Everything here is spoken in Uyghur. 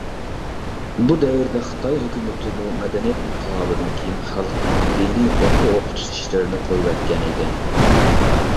بۇ دەۋردە خىتاي ھۆكۈمىتىمۇ مەدەنىيەت ئىنقىلابىدىن كېيىن خەلقنىڭ دىنى ئوقۇ -ئوقۇتۇش ئىشلىرىنى قويۇۋەتكەن ئىدى.